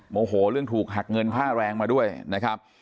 โมโหเรื่องถูกหักเงินค่าแรงมาด้วยนะครับ